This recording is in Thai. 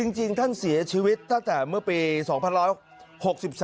จริงท่านเสียชีวิตตั้งแต่เมื่อปี๒๑๖๓